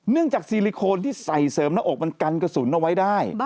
จากซีลิโคนที่ใส่เสริมหน้าอกมันกันกระสุนเอาไว้ได้